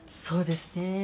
そうですね。